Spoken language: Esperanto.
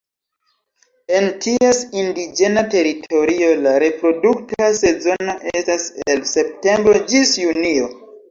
En ties indiĝena teritorio la reprodukta sezono estas el septembro ĝis junio.